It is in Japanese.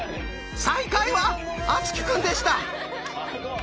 最下位は敦貴くんでした！